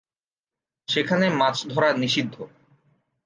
সেখানে মাছ ধরা নিষিদ্ধ।